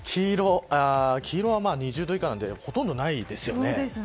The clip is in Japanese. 黄色は２０度以下なのでほとんどないです。